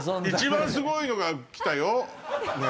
一番すごいのがきたよ。